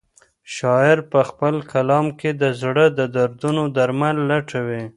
شاعر په خپل کلام کې د زړه د دردونو درمل لټوي.